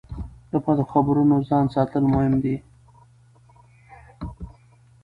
له بدو خبرونو ځان ساتل مهم دي.